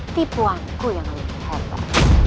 tipuanku yang lebih hebat